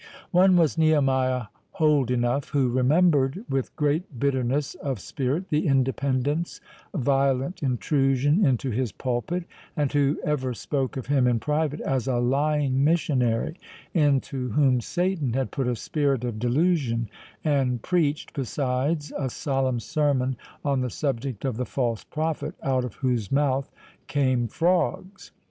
One was Nehemiah Holdenough, who remembered, with great bitterness of spirit, the Independent's violent intrusion into his pulpit, and who ever spoke of him in private as a lying missionary, into whom Satan had put a spirit of delusion; and preached, besides, a solemn sermon on the subject of the false prophet, out of whose mouth came frogs.